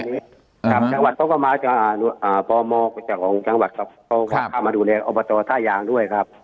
ครับจังหวัดเขาก็มาอ่าอ่าปมจากของจังหวัดเขาก็มาดูเลยอบตรท่ายางด้วยครับ